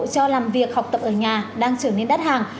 cho làm việc học tập ở nhà đang trở nên đắt hàng